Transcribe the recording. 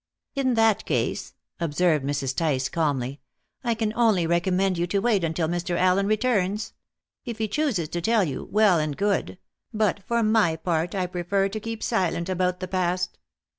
"In that case," observed Mrs. Tice calmly, "I can only recommend you to wait until Mr. Allen returns. If he chooses to tell you, well and good; but for my part, I prefer to keep silent about the past."